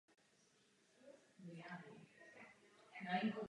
Vystřídali se zde dva císaři a čtyři předsedové vlády.